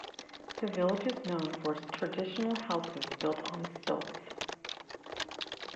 The village is known for its traditional houses built on stilts.